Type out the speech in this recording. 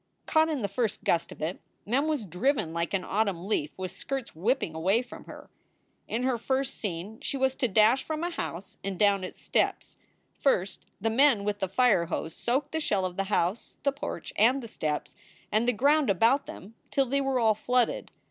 Caught in the first gust of it, Mem was driven like an autumn leaf with skirts whipping away from her. In her first scene she was to dash from a house and down its steps. First, the men with the fire hose soaked the shell of the house, the porch, and the steps, and the ground about them till they were all flooded.